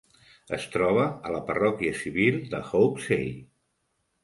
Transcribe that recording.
Es troba a la parròquia civil de Hopesay.